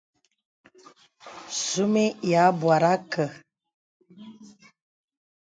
Sūmī yà àbōrà àkə.